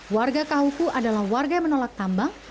warga kahuku adalah warga yang menolak tambang